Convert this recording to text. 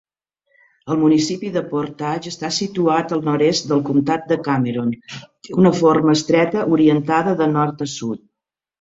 El municipi de Portage està situat al nord-est del comtat de Cameron i té una forma estreta orientada de nord a sud.